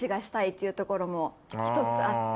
というところもひとつあって。